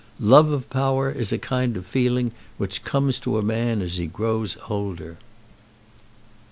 Love of power is a kind of feeling which comes to a man as he grows older."